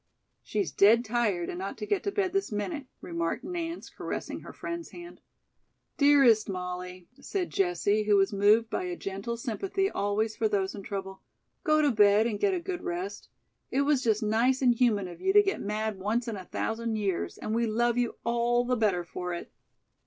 "She's dead tired and ought to get to bed this minute," remarked Nance, caressing her friend's hand. "Dearest Molly," said Jessie, who was moved by a gentle sympathy always for those in trouble, "go to bed and get a good rest. It was just nice and human of you to get mad once in a thousand years and we love you all the better for it."